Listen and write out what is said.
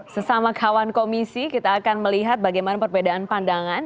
sesama kawan komisi kita akan melihat bagaimana perbedaan pandangan